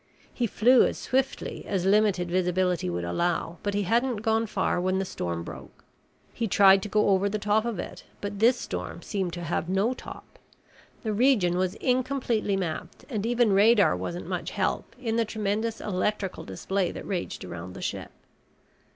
He flew as swiftly as limited visibility would allow, but he hadn't gone far when the storm broke. He tried to go over the top of it, but this storm seemed to have no top. The region was incompletely mapped and even radar wasn't much help in the tremendous electrical display that raged around the ship.